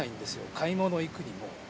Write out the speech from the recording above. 買い物に行くにも。